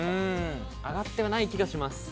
上がってはない気がします。